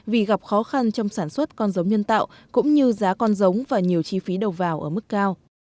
vì gặp khó khăn trong sản xuất con giống nhân tạo cũng như giá con giống và nhiều chi phí đầu vào ở mức cao